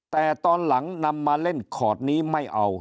แต่ตอนหลังนำมาเล่นคอร์ดนี้ไม่เอา